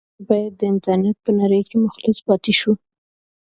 موږ باید د انټرنيټ په نړۍ کې مخلص پاتې شو.